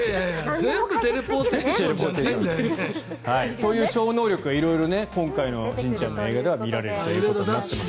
全部テレポーテーションじゃないんだよね。という超能力が色々今回のしんちゃんの映画ではみられるようになっています。